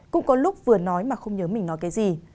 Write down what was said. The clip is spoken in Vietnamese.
cũng có lúc vừa nói mà không nhớ mình nói cái gì